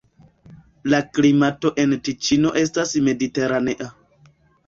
La klimato en Tiĉino estas mediteranea.